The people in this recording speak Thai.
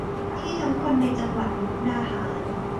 ที่ทั้งคนในจังหวัดมุกดาหาร